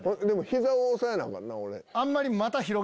膝を押さえなアカンな俺。